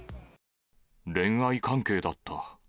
恋愛関係だった。